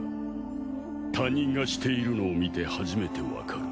他人がしているのを見て初めてわかる。